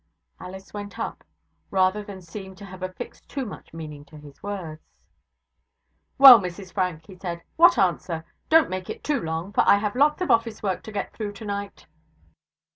Alice went up, rather than seem to have affixed too much meaning to his words. 'Well, Mrs Frank,' he said, 'what answer? Don't make it too long; for I have lots of office work to get through tonight.'